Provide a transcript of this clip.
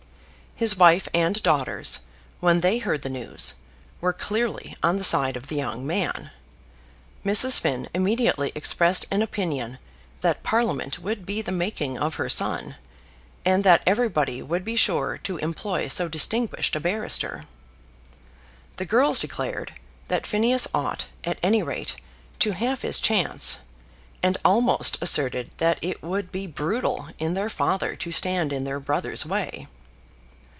His wife and daughters, when they heard the news, were clearly on the side of the young man. Mrs. Finn immediately expressed an opinion that Parliament would be the making of her son, and that everybody would be sure to employ so distinguished a barrister. The girls declared that Phineas ought, at any rate, to have his chance, and almost asserted that it would be brutal in their father to stand in their brother's way.